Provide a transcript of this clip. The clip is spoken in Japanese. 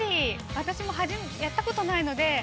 私もやったことないので。